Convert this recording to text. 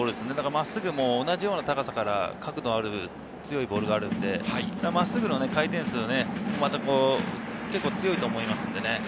真っすぐも同じような高さから角度のある強いボールがあるので、真っすぐの回転数もけっこう強いと思います。